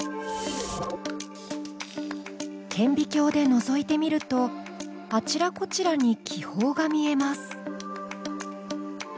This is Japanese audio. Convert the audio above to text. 顕微鏡でのぞいてみるとあちらこちらに気泡が見えます。